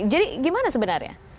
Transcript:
jadi gimana sebenarnya